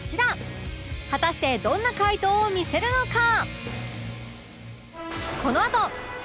果たしてどんな回答を見せるのか？